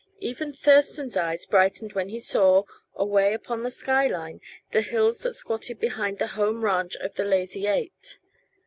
Even Thurston's eyes brightened when he saw, away upon the sky line, the hills that squatted behind the home ranch of the Lazy Eight.